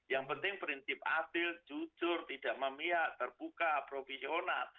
yang penting prinsip asil jujur tidak memiak terbuka profisional